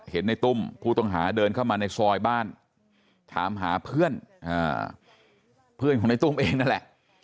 เห็นในตุ้มผู้ต้องหาเดินเข้ามาในซอยบ้านถามหาเพื่อนเพื่อนของในตุ้มเองนั่นแหละ